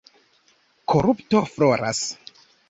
Korupto floras.